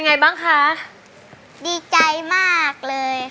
คุณยายแดงคะทำไมต้องซื้อลำโพงและเครื่องเสียง